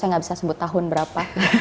saya nggak bisa sebut tahun berapa